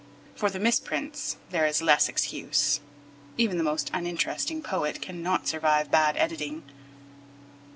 For the misprints there is less excuse. Even the most uninteresting poet cannot survive bad editing.